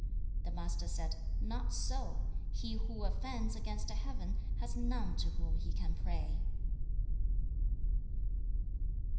"' 2. The Master said, 'Not so. He who offends against Heaven has none to whom he can pray.'